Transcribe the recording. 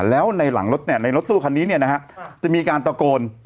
แล้วในหลังรถในรถตู้คันนี้เนี่ยนะฮะจะมีการตะโกน